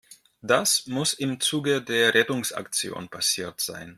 Das muss im Zuge der Rettungsaktion passiert sein.